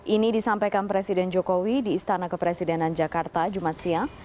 ini disampaikan presiden jokowi di istana kepresidenan jakarta jumat siang